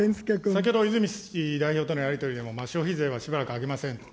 先ほど泉氏、代表とのやり取りでも、消費税はしばらく上げませんと、